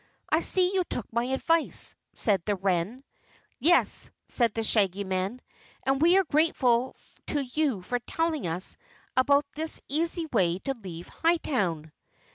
"I see you took my advice," said the wren. "Yes," said the Shaggy Man, "and we are grateful to you for telling us about this easy way to leave Hightown."